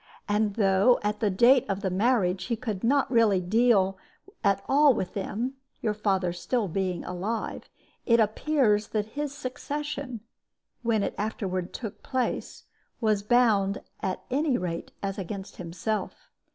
And though, at the date of the marriage, he could not really deal at all with them your father being still alive it appears that his succession (when it afterward took place) was bound, at any rate, as against himself.